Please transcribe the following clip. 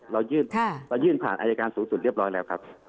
เรายื่นผ่านอายการสูงสุดเรียบร้อยแล้วครับ